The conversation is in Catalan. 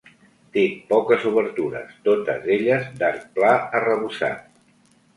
Té poques obertures, totes elles d'arc pla arrebossat.